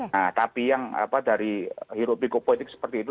nah tapi yang dari hirupikuk politik seperti itu